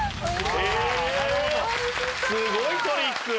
すごいトリック。